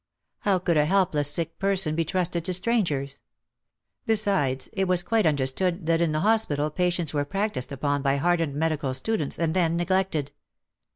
How could a helpless sick person be trusted to strangers ! Besides, it was quite understood that in the hospital pa tients were practised upon by hardened medical students and then neglected.